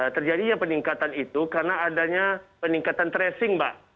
terjadinya peningkatan itu karena adanya peningkatan tracing mbak